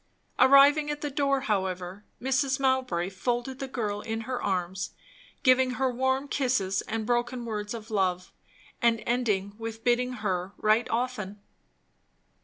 Arrived at the door, however, Mrs. Mowbray folded the girl in her arms, giving her warm kisses and broken words of love, and ending with bidding her write often.